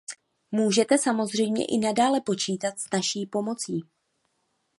Můžete samozřejmě i nadále počítat s naší pomocí.